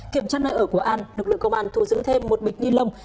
kiểm tra nơi ở của an lực lượng công an thu giữ thêm một bịch ni lông